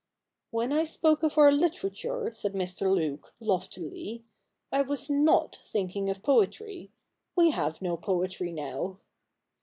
' When I spoke of our literature,' said Mr. Luke loftily, ' I was not thinking of poetry. We have no poetry now.'